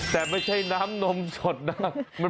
แต่ไม่ใช่น้ำนมสดนะ